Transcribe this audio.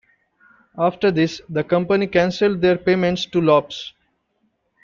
After this, the company canceled their payments to Iops.